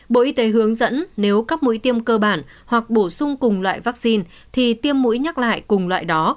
bộ y tế hướng dẫn nếu các mũi tiêm cơ bản hoặc bổ sung cùng loại vaccine thì tiêm mũi nhắc lại cùng loại đó